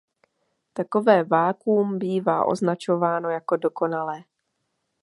Takové vakuum bývá označováno jako dokonalé.